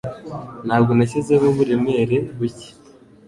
Ntabwo nashyizeho uburemere buke